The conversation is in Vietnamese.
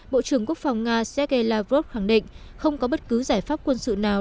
bộ trưởng quốc phòng nga sergei lavrov khẳng định không có bất cứ giải pháp quân sự nào